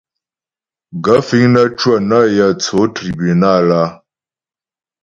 Gaə̂ fíŋ nə́ cwə nə yə̂ tsó tribúnal a ?